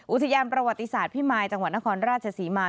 อุทยานประวัติศาสตร์พิมายจังหวัดนครราชศรีมา